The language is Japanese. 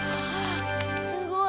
すごい！